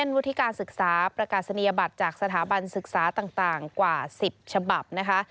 วุฒิการศึกษาประกาศนียบัตรจากสถาบันศึกษาต่างกว่า๑๐ฉบับนะคะ